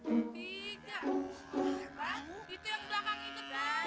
udah berbitu saja anak